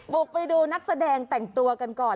บุกไปดูนักแสดงแต่งตัวกันก่อน